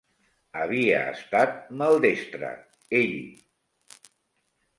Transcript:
Havia estat maldestre. Ell!